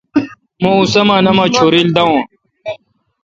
مہ اوں سامان اوما ڄورل داون۔